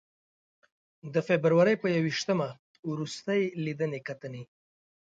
د فبروري په ی ویشتمه روستۍ لیدنې کتنې.